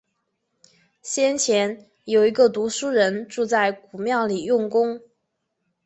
先前，有一个读书人住在古庙里用功